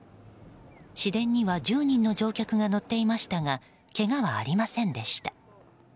市電には１０人の乗客が乗っていましたがけがはありませんでした。